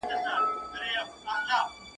راځه ولاړ سو له دې ښاره مرور سو له جهانه ..